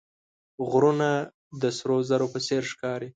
غرونه د سرو زرو په څېر ښکاري